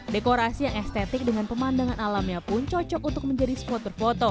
dekorasi yang estetik dengan pemandangan alamnya pun cocok untuk menjadi spot berfoto